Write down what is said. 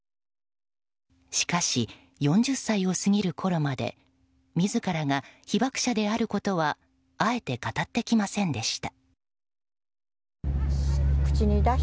しかし、４０歳を過ぎるころまで自らが被爆者であることはあえて語ってきませんでした。